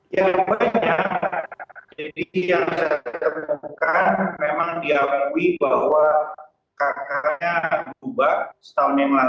ya jadi yang saya menemukan memang diawakui bahwa kakaknya berubah setahun yang lalu